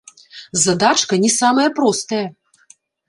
Задачка не самая простая!